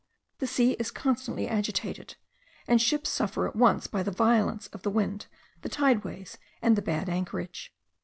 The sea is constantly agitated, and ships suffer at once by the violence of the wind, the tideways, and the bad anchorage.